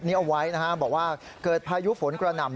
เอาไว้นะฮะบอกว่าเกิดพายุฝนกระหน่ำ